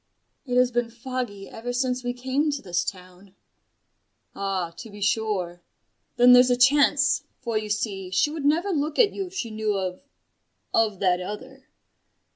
"It has been foggy ever since we came to this town." "Ah, to be sure. Then there's a chance: for, you see, she would never look at you if she knew of of that other.